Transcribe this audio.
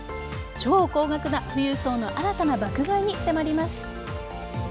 超高額な富裕層の新たな爆買いに迫ります。